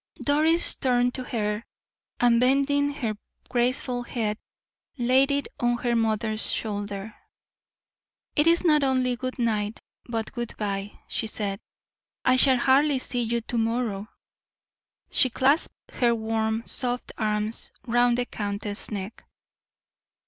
Doris turned to her, and bending her graceful head, laid it on her mother's shoulder. "It is not only good night, but good bye," she said; "I shall hardly see you to morrow." She clasped her warm, soft arms round the countess' neck.